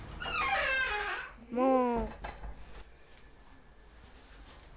もう。